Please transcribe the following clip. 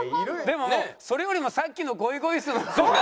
でもそれよりもさっきのゴイゴイスーの方が。